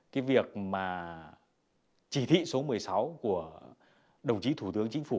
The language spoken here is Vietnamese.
cái việc mà chỉ thị số một mươi sáu của đồng chí thủ tướng chính phủ